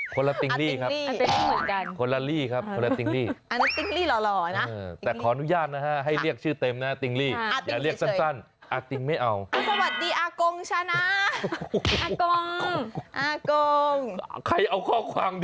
ใครเอาคำนึงเข้ามา